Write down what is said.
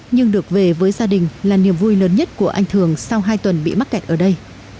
nhưng được về với gia đình là niềm vui lớn nhất của anh thường sau hai tuần bị mắc kẹt ở đây